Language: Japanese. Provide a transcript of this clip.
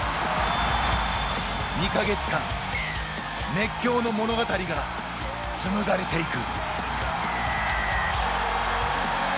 ２か月間、熱狂の物語が紡がれていく。